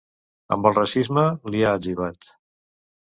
Amb el racisme, li ha etzibat.